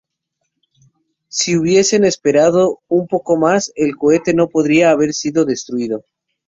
Si hubiesen esperado un poco más, el cohete no podría haber sido destruido.